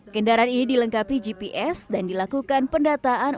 kendaraan ini dilengkapi gps dan dilakukan pendataan